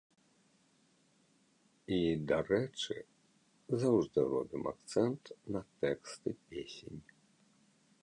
І, дарэчы, заўжды робім акцэнт на тэксты песень.